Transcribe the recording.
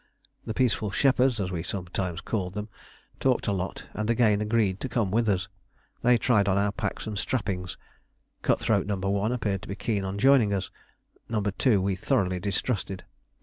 The peaceful shepherds, as we sometimes called them, talked a lot and again agreed to come with us. They tried on our packs and strappings. Cut throat No. 1 appeared to be keen on joining us; No. 2 we thoroughly distrusted.